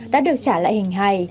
đã được trả lại hình hài